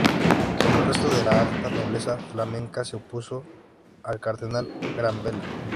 Como el resto de la alta nobleza flamenca, se opuso al cardenal Granvela.